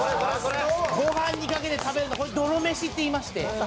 「ご飯にかけて食べるのこれどろめしっていいまして」